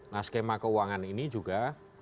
nah skema keuangan ini juga